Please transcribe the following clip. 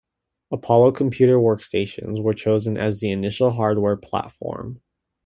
Apollo Computer workstations were chosen as the initial hardware platform.